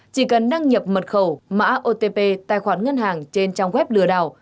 chỉ cần đăng nhập mật khẩu mã otp tài khoản ngân hàng trên trang web lừa đảo